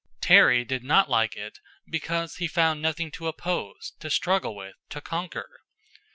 Terry did not like it because he found nothing to oppose, to struggle with, to conquer.